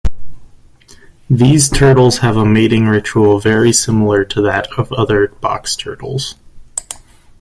These turtles have a mating ritual very similar to that of other box turtles.